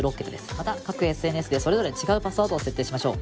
また各ＳＮＳでそれぞれ違うパスワードを設定しましょう。